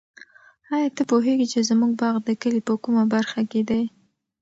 آیا ته پوهېږې چې زموږ باغ د کلي په کومه برخه کې دی؟